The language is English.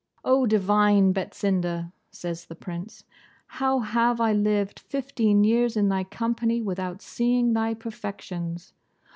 'Oh, divine Betsinda!' says the Prince, 'how have I lived fifteen years in thy company without seeing thy perfections?